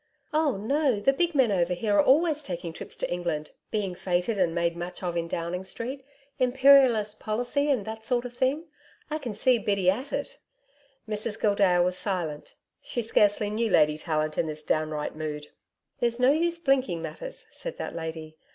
'Oh no. The big men over here are always taking trips to England, being feted and made much of in Downing Street Imperialist Policy and that sort of thing I can see Biddy at it.' Mrs Gildea was silent. She scarcely knew Lady Tallant in this downright mood. 'There's no use blinking matters,' said that lady.